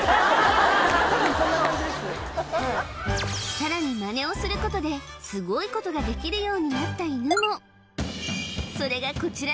さらにマネをすることでスゴいことができるようになった犬もそれがこちらの犬